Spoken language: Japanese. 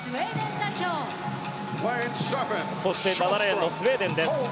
そして７レーンのスウェーデンです。